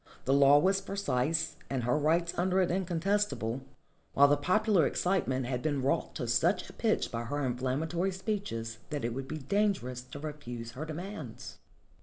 The law was precise, and her rights under it incontestable, while the popular excitement had been wrought to such a pitch by her inflammatory speeches that it would be dangerous to refuse her demands.